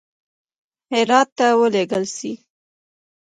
هرات ته ولېږل سي.